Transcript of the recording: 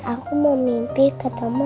aku memimpi ketemu